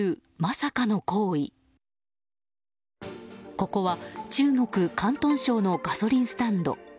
ここは中国・広東省のガソリンスタンド。